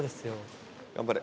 頑張れ。